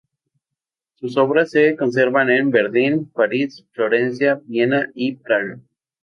Sus obras se conservan en Berlín, París, Florencia, Viena y Praga.